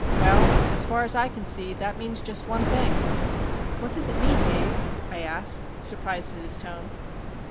"Well, as far as I can see, that means just one thing." "What does it mean, Haze?" I asked, surprised at his tone.